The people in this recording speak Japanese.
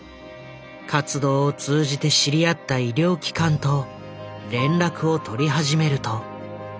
活動を通じて知り合った医療機関と連絡を取り始めると。